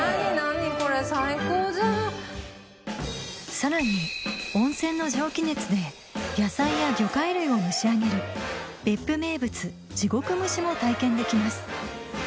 さらに温泉の蒸気熱で野菜や魚介類を蒸し上げる別府名物地獄蒸しも体験できます